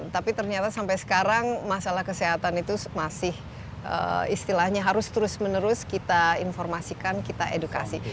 tapi ternyata sampai sekarang masalah kesehatan itu masih istilahnya harus terus menerus kita informasikan kita edukasi